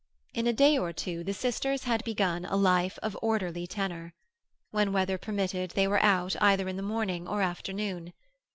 In a day or two the sisters had begun a life of orderly tenor. When weather permitted they were out either in the morning or afternoon.